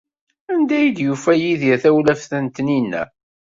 Anda ay yufa Yidir tawlaft n Taninna?